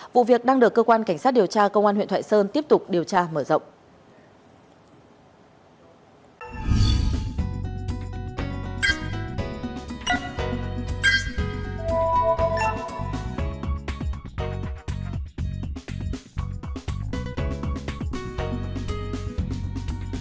vụ việc đang được cơ quan cảnh sát điều tra công an huyện thoại sơn tiếp tục điều tra mở rộng